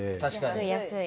安い安い。